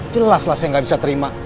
jelas lah saya nggak bisa terima